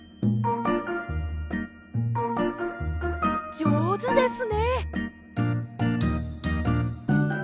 じょうずですね。